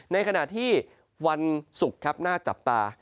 ในขณะที่วันศุกร์ครับน่าจับตา